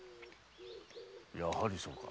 やはりそうか。